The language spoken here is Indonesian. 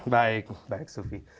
baik baik sufi